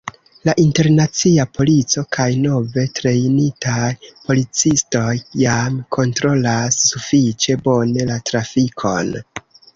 La internacia polico kaj nove trejnitaj policistoj jam kontrolas sufiĉe bone la trafikon.